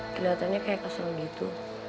keliatannya kayak kesel gitu